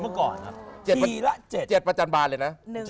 เมื่อก่อนครับ๗ประจำบานเลยนะ